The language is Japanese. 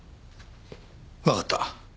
わかった。